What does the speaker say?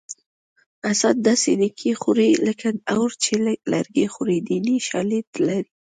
حسد داسې نیکي خوري لکه اور چې لرګي خوري دیني شالید لري